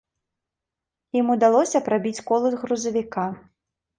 Ім удалося прабіць колы грузавіка.